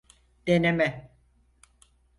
Deneme.